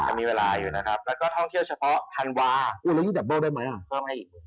อยู่นะครับแล้วก็ท่องเที่ยวเฉพาะธันวาอุ้ยแล้วอีกได้ไหมอ่ะเพิ่มให้อีก